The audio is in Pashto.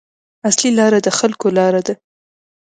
اصلي لاره د خلکو لاره ده.